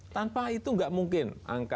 tanpa itu tidak mungkin